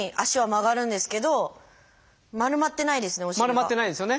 丸まってないんですよね